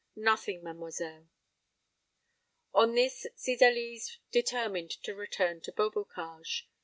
"Nothing, mademoiselle." On this Cydalise determined to return to Beaubocage.